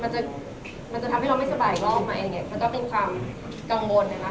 มันจะมันจะทำให้เราไม่สบายอีกรอบใหม่มันก็เป็นความกังวลเนี่ยนะคะ